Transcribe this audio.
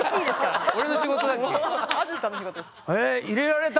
淳さんの仕事です。